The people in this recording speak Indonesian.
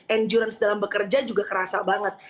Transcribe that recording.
endurance dalam bekerja juga kerasa banget